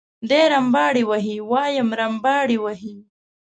دی رمباړې وهي وایم رمباړې وهي.